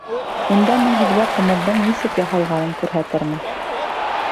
Унда мин һеҙгә ҡымыҙҙың нисек яһалғанын күрһәтермен.